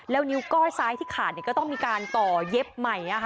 แล้วนิ้วก้อยซ้ายที่ขาดก็ต้องมีการต่อเย็บใหม่